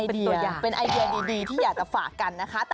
เป็นตัวอย่างเป็นไอเดียดีที่อยากจะฝากกันนะคะ